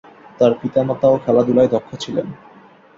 তার পিতা-মাতাও খেলাধূলায় দক্ষ ছিলেন।